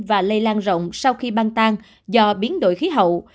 và lây lan rộng sau khi băng tan do biến đổi khí hậu